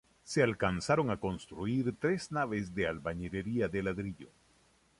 Se alcanzaron a construir tres naves de albañilería de ladrillo.